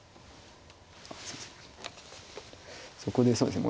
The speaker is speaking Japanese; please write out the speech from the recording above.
そこでそうですね